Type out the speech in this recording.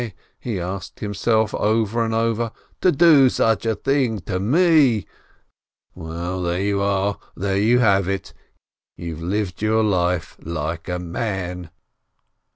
He asked himself over and over. "To do such a thing to me I Well, there you are ! There you have it !— You've lived your life — like a man